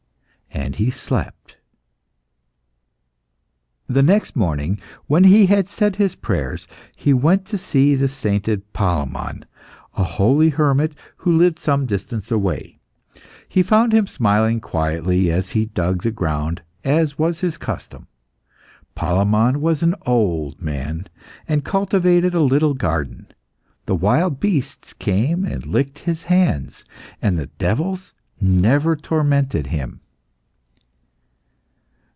And he slept. The next morning, when he had said his prayers, he went to see the sainted Palemon, a holy hermit who lived some distance away. He found him smiling quietly as he dug the ground, as was his custom. Palemon was an old man, and cultivated a little garden; the wild beasts came and licked his hands, and the devils never tormented him.